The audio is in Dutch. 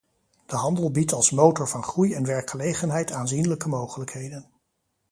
De handel biedt als motor van groei en werkgelegenheid aanzienlijke mogelijkheden.